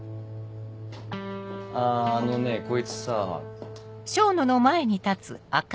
ああのねこいつさぁ。